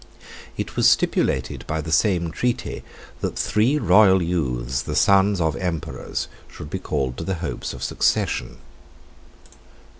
It was stipulated by the same treaty, that three royal youths, the sons of emperors, should be called to the hopes of the succession.